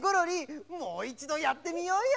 もういちどやってみようよ！